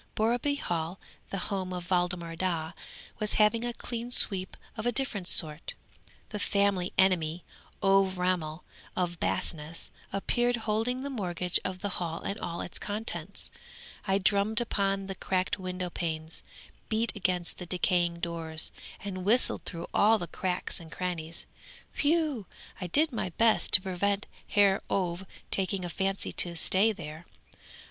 Borreby Hall, the home of Waldemar Daa, was having a clean sweep of a different sort. The family enemy, Ové Ramel from Basness, appeared, holding the mortgage of the Hall and all its contents. I drummed upon the cracked window panes, beat against the decaying doors, and whistled through all the cracks and crannies, whew! I did my best to prevent Herr Ové taking a fancy to stay there.